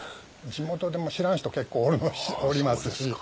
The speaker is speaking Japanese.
地元でも知らん人結構おりますし。